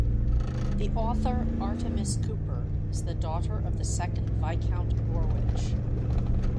The author Artemis Cooper is the daughter of the second Viscount Norwich.